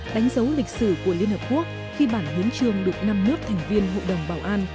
đánh dấu lịch sử của liên hợp quốc khi bản hiến trương được năm nước thành viên hội đồng bảo an